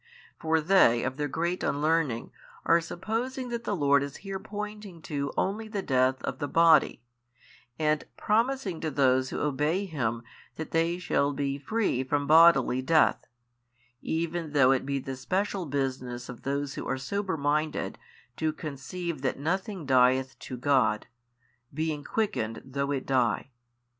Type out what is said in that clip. For they of their great unlearning are supposing that the Lord is here pointing to only the death of the body, and promising to those who obey Him that they shall be free from bodily death, even though it be the special business of those who are sober minded to conceive that nothing dieth to God, being quickened though it die.